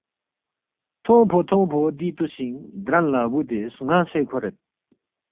تھونگفو تھونگفو دی توسینگ درن لا بودے سنانگسے کھورید